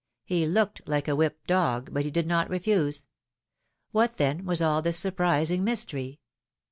He looked like a whipped dog, but he did not refuse. What, then, was all this surprising mystery